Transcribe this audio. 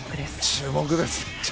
注目です。